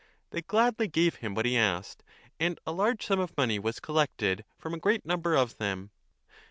They gladly gave him what he asked, and a large sum of money was collected from a great number of them.